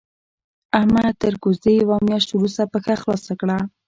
احمد تر کوزدې يوه مياشت روسته پښه خلاصه کړه.